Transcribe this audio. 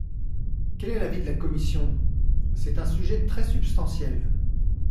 Quel est l’avis de la commission ? C’est un sujet très substantiel.